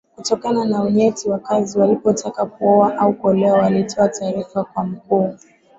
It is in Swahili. Kutokana na unyeti wa kazi walipotaka kuoa au kuolewa walitoa taarifa kwa mkuu